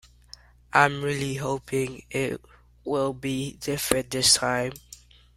I'm really hoping it will be different this time.